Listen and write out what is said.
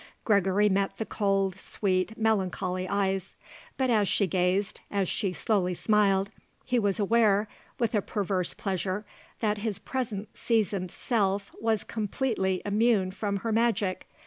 Gregory met the cold, sweet, melancholy eyes. But as she gazed, as she slowly smiled, he was aware, with a perverse pleasure, that his present seasoned self was completely immune from her magic.